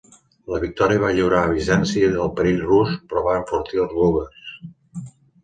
La victòria va lliurar a Bizanci del perill rus però va enfortir als búlgars.